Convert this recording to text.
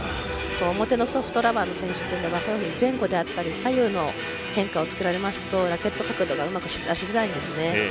表のソフトラバーの選手というのは前後であったり左右の変化をつけられますとラケット角度がうまく出しづらいんですね。